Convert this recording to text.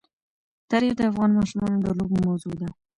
تاریخ د افغان ماشومانو د لوبو موضوع ده.